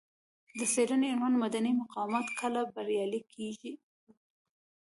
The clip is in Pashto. د څېړنې عنوان مدني مقاومت کله بریالی کیږي دی.